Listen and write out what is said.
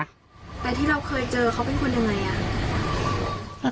แต่ที่เราเคยเจอเขาเป็นคนยังไงอ่ะ